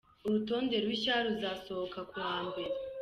Urutonde rushya ruzasohoka ku wa mbere.